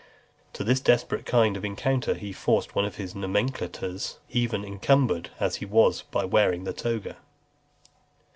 To this desperate kind of encounter he forced one of his nomenclators, even encumbered as he was by wearing the toga.